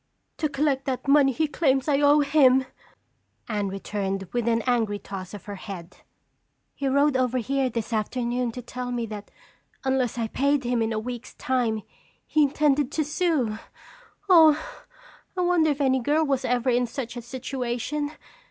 "To collect that money he claims I owe him," Anne returned with an angry toss of her head. "He rowed over here this afternoon to tell me that unless I paid him in a week's time he intended to sue! Oh, I wonder if any girl was ever in such a situation?